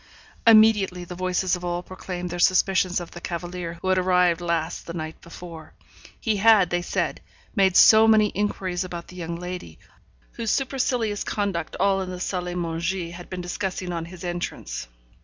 Immediately the voices of all proclaimed their suspicions of the cavalier who had arrived last the night before. He had, they said, made so many inquiries about the young lady, whose supercilious conduct all in the salle à manger had been discussing on his entrance.